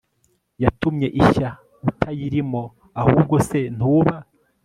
yatumye ishya utayirimo ahubwo se ntuba